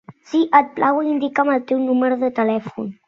Si et plau, indica'm el teu número de telèfon.